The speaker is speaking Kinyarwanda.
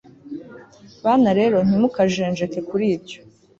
Bana rero ntimukajenjeke kuribyo